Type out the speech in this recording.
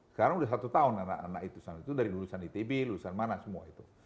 sekarang sudah satu tahun anak anak itu sana itu dari lulusan itb lulusan mana semua itu